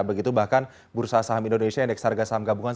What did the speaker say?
begitu bahkan bursa saham indonesia yang dek sarga saham gabungan